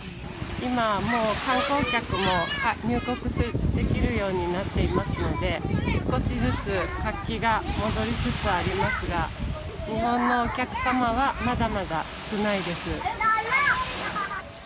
今、もう観光客も入国できるようになっていますので、少しずつ活気が戻りつつありますが、日本のお客様はまだまだ少ないです。